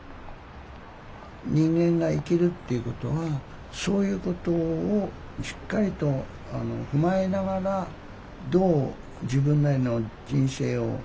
人間が生きるっていうことはそういうことをしっかりと踏まえながらどう自分なりの人生をひらく道を見つけ出していくか。